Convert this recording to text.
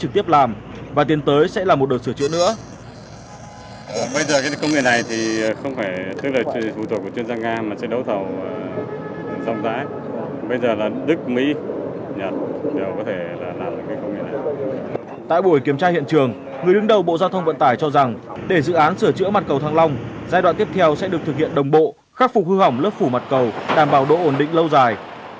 tại buổi kiểm tra hiện trường người đứng đầu bộ giao thông vận tải cho rằng để dự án sửa chữa mặt cầu thăng long giai đoạn tiếp theo sẽ được thực hiện đồng bộ khắc phục hư hỏng lớp phủ mặt cầu đảm bảo độ ổn định lâu dài